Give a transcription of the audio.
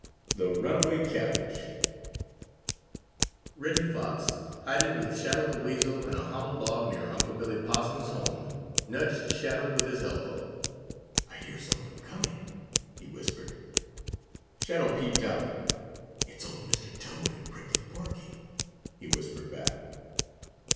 X THE RUNAWAY CABBAGE Reddy Fox, hiding with Shadow the Weasel in a hollow log near Unc' Billy Possum's home, nudged Shadow with his elbow. "I hear some one coming," he whispered. Shadow peeped out. "It's old Mr. Toad and Prickly Porky," he whispered back.